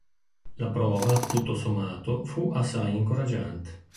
La "prova", tutto sommato, fu assai incoraggiante.